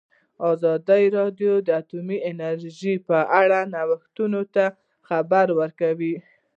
ازادي راډیو د اټومي انرژي په اړه د نوښتونو خبر ورکړی.